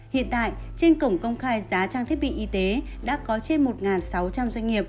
hiện tại trên cổng công khai giá trang thiết bị y tế đã có trên một sáu trăm linh doanh nghiệp